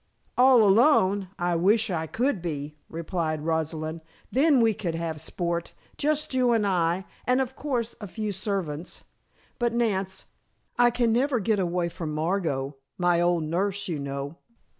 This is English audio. "All alone! I wish I could be," replied Rosalind, "then we could have sport; just you and I and, of course, a few servants. But, Nance, I never can get away from Margot, my old nurse, you know.